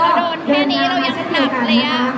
แต่ถ้าดูแบบนี้เรายังสนับเลยอะ